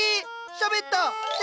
しゃべった！って